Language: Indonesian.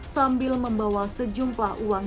sambil membawa sejumlah uang